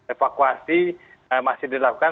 evakuasi masih dilakukan